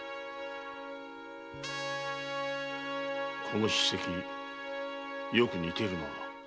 この筆跡よく似ているな。